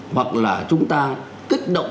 hoặc là chúng ta kích động